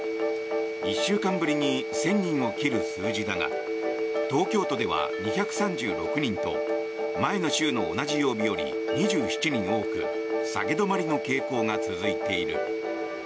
１週間ぶりに１０００人を切る数字だが東京都では２３６人と前の週の同じ曜日より２７人多く下げ止まりの傾向が続いている。